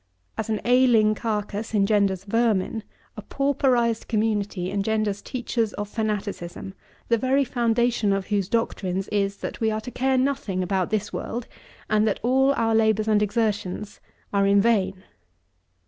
As an ailing carcass engenders vermin, a pauperized community engenders teachers of fanaticism, the very foundation of whose doctrines is, that we are to care nothing about this world, and that all our labours and exertions are in vain.